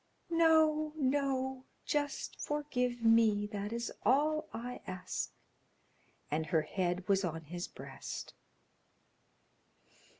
"No, no; just forgive me; that is all I ask," and her head was on his breast.